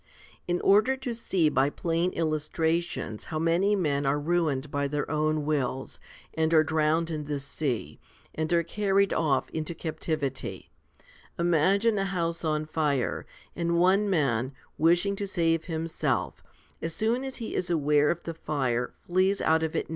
In order to see by plain illustrations how many men are ruined by their own wills, and are drowned in the sea, and are carried off into captivity, imagine a house on fire, and one man, wishing to save himself, as soon as he is aware of the fire, flees out of it